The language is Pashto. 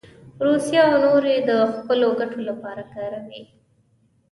روسیه او نور یې د خپلو ګټو لپاره کاروي.